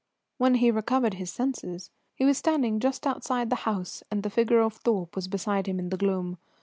When he recovered his senses he was standing just outside the house and the figure of Thorpe was beside him in the gloom.